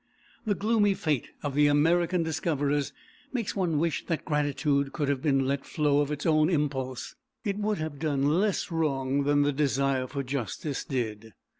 The gloomy fate of the American discoverers makes one wish that gratitude could have been let flow of its own impulse; it would have done less wrong than the desire for justice did.